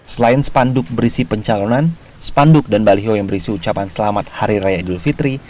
selain spanduk berisi pencalonan spanduk dan baliho yang berisi ucapan selamat hari raya idul fitri